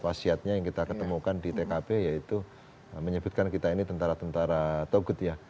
wasiatnya yang kita ketemukan di tkp yaitu menyebutkan kita ini tentara tentara togut ya